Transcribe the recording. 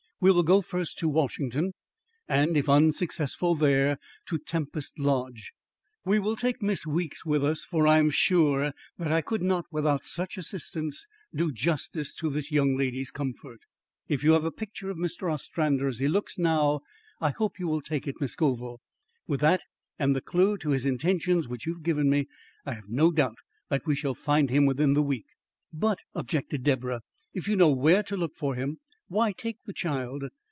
We will go first to Washington, and, if unsuccessful there, to Tempest Lodge. We will take Miss Weeks with us, for I am sure that I could not, without some such assistance, do justice to this young lady's comfort. If you have a picture of Mr. Ostrander as he looks now, I hope you will take it, Miss Scoville. With that and the clew to his intentions, which you have given me, I have no doubt that we shall find him within the week." "But," objected Deborah, "if you know where to look for him, why take the child?